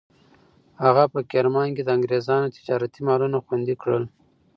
هغه په کرمان کې د انګریزانو تجارتي مالونه خوندي کړل.